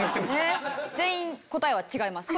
全員答えは違います。